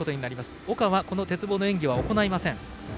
岡は鉄棒の演技は行いません。